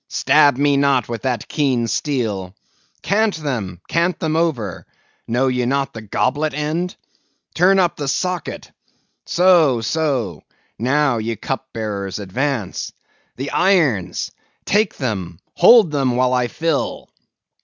"Stab me not with that keen steel! Cant them; cant them over! know ye not the goblet end? Turn up the socket! So, so; now, ye cup bearers, advance. The irons! take them; hold them while I fill!"